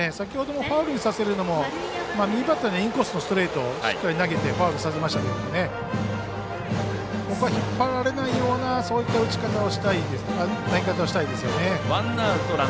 ファウルにさせるのも右バッターにはインコースのストレートをしっかり投げてファウルにさせましたけどここは引っ張られないようなそういった投げ方をしたいですね。